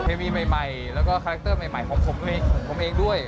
เทวีใหม่แล้วก็คาแรคเตอร์ใหม่ของผมเองด้วย